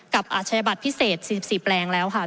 อาชญาบัตรพิเศษ๔๔แปลงแล้วค่ะ